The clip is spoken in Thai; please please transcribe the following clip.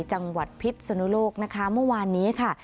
จังหวัดพิษสนุโลกนะคะเมื่อวานนี้ค่ะ